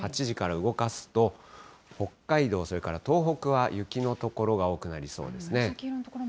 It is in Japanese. ８時から動かすと、北海道、それから東北は、雪の所が多くなりそうですね。